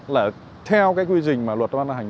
là theo cái quy trình mà luật ban hành